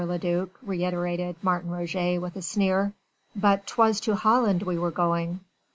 le duc," reiterated Martin Roget with a sneer. "But 'twas to Holland we were going."